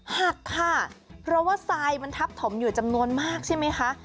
หักค่ะเพราะว่าทรายมันทับถมอยู่จำนวนมากใช่ไหมคะ